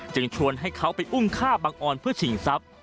ชวนให้เขาไปอุ้มฆ่าบังออนเพื่อชิงทรัพย์